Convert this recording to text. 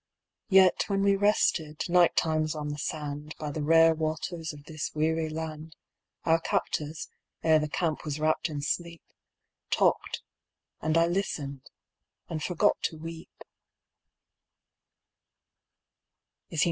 Yet, when we rested, night times on the sand By the rare waters of this weary land, Our captors, ere the camp was wrapped in sleep, Talked, and I listened, and forgot to weep.